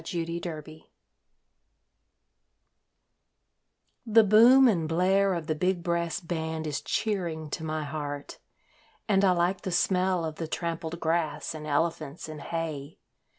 The Big Top The boom and blare of the big brass band is cheering to my heart And I like the smell of the trampled grass and elephants and hay.